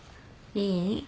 いい？